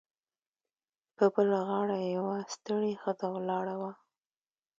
په بله غاړه یوه ستړې ښځه ولاړه وه